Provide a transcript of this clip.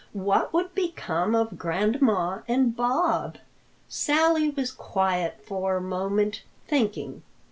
What would become of Grandma and Bob?" Sally was quiet for a moment, thinking.